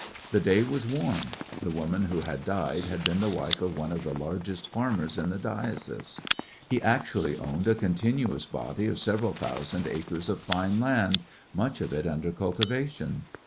The day was warm. The woman who died had been the wife of one of the largest farmers in the diocese. He actually owned a continuous body of several thousand acres of fine land, much of it under cultivation.